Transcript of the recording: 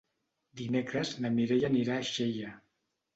Dimecres na Mireia anirà a Xella.